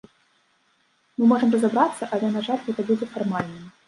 Мы можам разабрацца, але, на жаль, гэта будзе фармальным.